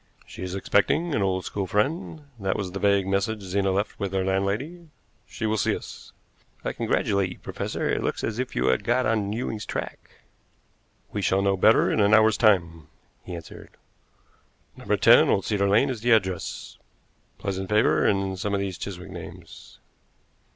She is expecting an old school friend that was the vague message Zena left with her landlady she will see us." "I congratulate you, professor; it looks as if you had got on Ewing's track." "We shall know better in an hour's time," he answered. "No. 10 Old Cedar Lane is the address. Pleasant flavor in some of these Chiswick names."